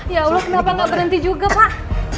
ya allah kenapa nggak berhenti juga pak